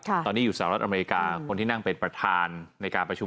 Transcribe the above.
ตอนนี้อยู่สหรัฐอเมริกาคนที่นั่งเป็นประธานในการประชุม